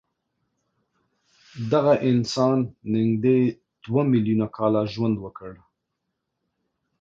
دغه انسان نږدې دوه میلیونه کاله ژوند وکړ.